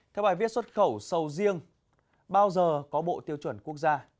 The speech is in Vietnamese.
theo bài viết xuất khẩu sầu riêng bao giờ có bộ tiêu chuẩn quốc gia